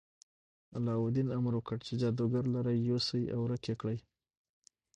علاوالدین امر وکړ چې جادوګر لرې یوسي او ورک یې کړي.